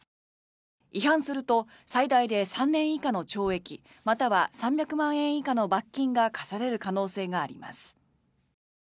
違反すると最大で３年以下の懲役または３００万円以下の罰金が科される可能性があります。